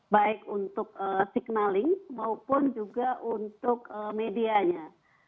baik untuk signaling maupun juga untuk medianya